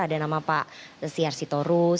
ada nama pak siar sitorus